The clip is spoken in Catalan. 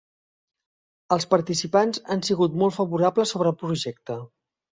Els participants han sigut molt favorables sobre el projecte.